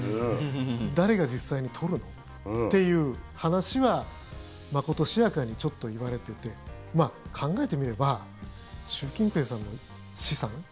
誰が実際に取るの？っていう話はまことしやかにちょっと言われていて考えてみれば習近平さんの資産